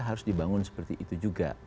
harus dibangun seperti itu juga